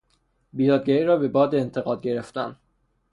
بیدادگری را به باد انتقاد گرفتن